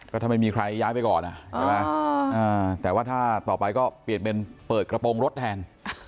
ก็ถ้าไม่มีใครย้ายไปก่อนใช่ไหมแต่ว่าถ้าต่อไปก็เปลี่ยนเป็นเปิดกระโปรงรถแทน